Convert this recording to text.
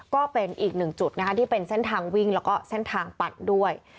ก็เป็นอีกหนึ่งจุดนะคะที่เป็นเส้นทางวิ่งแล้วก็เส้นทางปัดด้วย